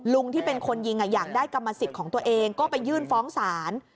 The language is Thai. ที่เป็นคนยิงอยากได้กรรมสิทธิ์ของตัวเองก็ไปยื่นฟ้องศาล